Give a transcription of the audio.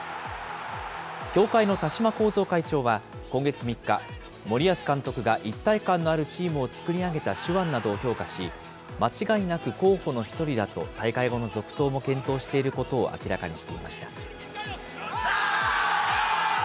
協会の田嶋幸三会長は、今月３日、森保監督が一体感のあるチームを作り上げた手腕などを評価し、間違いなく候補の１人だと大会後の続投も検討していることを明らかにしていました。